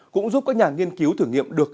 cũng giúp các nhà nghiên cứu thử nghiệm được